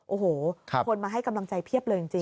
โอ้โหคนมาให้กำลังใจเพียบเลยจริง